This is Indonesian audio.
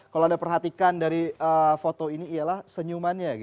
kalau anda perhatikan dari foto ini ialah senyumannya